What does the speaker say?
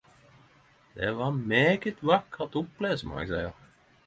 Det var meget vakkert opplese må eg seia.